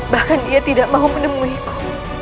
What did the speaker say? bahkan dia tidak mau menemuku